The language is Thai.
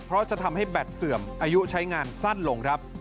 เพราะจะทำให้แบตเสื่อมอายุใช้งานสั้นลงครับ